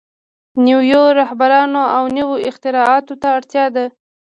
نويو رهبرانو او نويو اختراعاتو ته اړتيا ده.